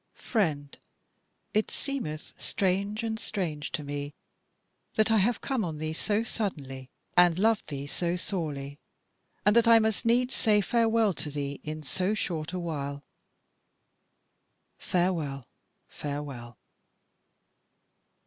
Friend, it seemeth strange and strange to me that I have come on thee so suddenly, and loved thee so sorely, and that I must needs say farewell to thee in so short a while. Farewell, farewell!"